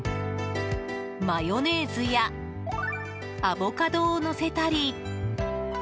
マヨネーズやアボカドをのせたり。